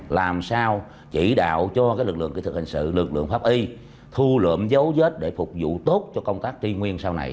làm sao chỉ đạo cho lực lượng kỹ thuật hình sự lực lượng pháp y thu lượm dấu vết để phục vụ tốt cho công tác tri nguyên sau này